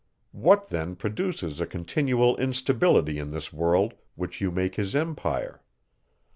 What then produces a continual instability in this world, which you make his empire?